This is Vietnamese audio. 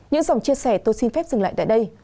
những dòng chia sẻ tôi xin phép dừng lại tại đây